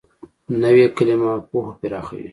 نوې کلیمه پوهه پراخوي